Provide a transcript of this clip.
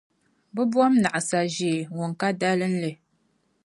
bɛ bom’ naɣisa’ ʒee ŋun ka dalinli.